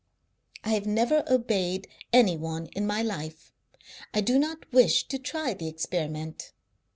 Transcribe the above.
I have never obeyed any one in my life; I do not wish to try the experiment.